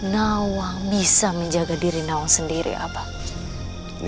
nawang bisa menjaga diri nawang sendiri abang